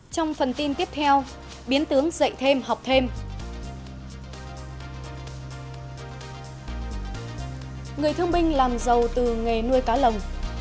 trong phần tin tiếp theo biến tướng dạy thêm học thêm